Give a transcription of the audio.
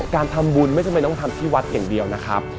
การทำบุญไม่จำเป็นต้องทำที่วัดอย่างเดียวนะครับ